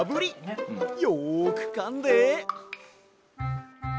よくかんで！